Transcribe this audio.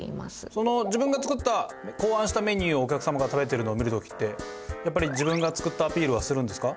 その自分が作った考案したメニューをお客様が食べてるのを見る時ってやっぱり自分が作ったアピールはするんですか？